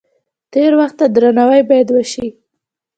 تیر وخت ته درناوی باید وشي.